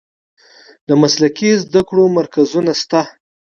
د مسلکي زده کړو مرکزونه شته؟